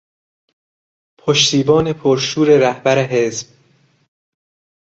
پشتیبان پر شور رهبر حزب